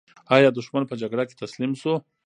ایا دښمن په جګړه کې تسلیم شو؟